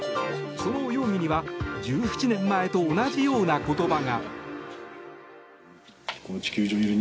その容疑には１７年前と同じような言葉が。